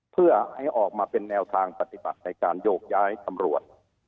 เพื่อให้ออกมาเป็นแนวทางปฏิบัติในการโยกย้ายตำรวจ